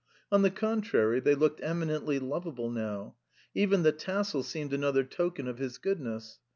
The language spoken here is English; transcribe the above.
On the contrary, they looked eminently lovable now. Even the tassel seemed another token of his goodness.